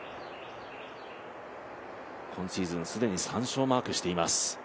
今シーズン既に３勝をマークしています。